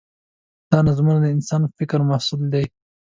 دا نظمونه د انسان د فکر محصول دي.